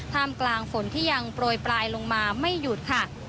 กลางฝนที่ยังโปรยปลายลงมาไม่หยุดค่ะ